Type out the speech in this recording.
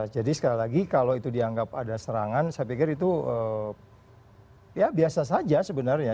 jadi sekali lagi kalau itu dianggap ada serangan saya pikir itu ya biasa saja sebenarnya